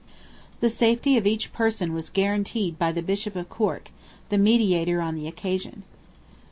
The safety of each person was guaranteed by the Bishop of Cork, the mediator on the occasion.